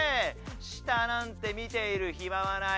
下なんて見ているヒマはない。